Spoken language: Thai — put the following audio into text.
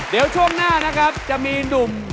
เดี๋ยวช่วงหน้านะครับจะมีหนุ่ม